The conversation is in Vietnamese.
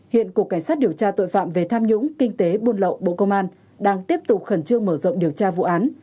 hiện cục cảnh sát điều tra tội phạm về tham nhũng kinh tế buôn lậu bộ công an đang tiếp tục khẩn trương mở rộng điều tra vụ án